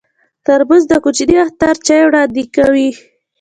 ترموز د کوچني اختر چای وړاندې کوي.